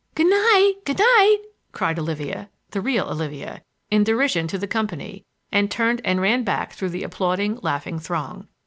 "Good night! Good night!" called Olivia—the real Olivia—in derision to the company, and turned and ran back through the applauding, laughing throng.